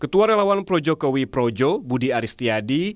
ketua relawan pro jokowi projo budi aristipanis dan pak bunga